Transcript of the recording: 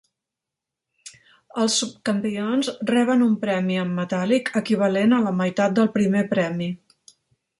Els subcampions reben un premi en metàl·lic equivalent a la meitat del primer premi.